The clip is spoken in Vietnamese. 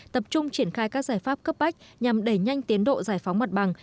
tập trung triển khai các giải pháp cấp bách nhằm đẩy nhanh tiến độ giải phóng mặt bằng